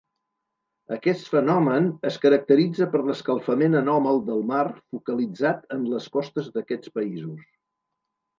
Aquest fenomen es caracteritza per l'escalfament anòmal del mar focalitzat en les costes d'aquests països.